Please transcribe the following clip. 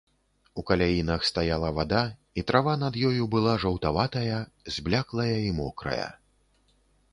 У каляінах стаяла вада, і трава над ёю была жаўтаватая, збляклая і мокрая.